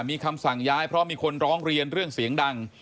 มีคำสั่งย้ายเพราะมีคนร้องเรียนเรื่องเสียงดัง